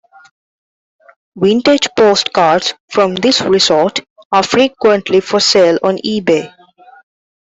Vintage postcards from this resort are frequently for sale on eBay.